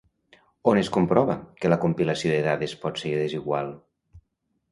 On es comprova que la compilació de dades pot ser desigual?